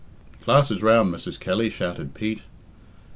"Glasses round. Mrs. Kelly," shouted Pete.